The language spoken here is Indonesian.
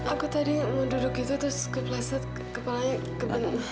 aku tadi mau duduk gitu terus keplasnya kepalanya keben